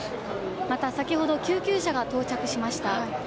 また先ほど救急車が到着しました。